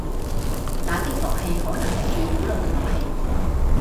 打击乐器可能是最古老的乐器。